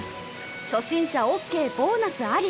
初心者オーケーボーナスあり！